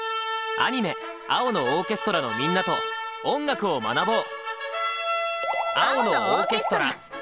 アニメ「青のオーケストラ」のみんなと音楽を学ぼう！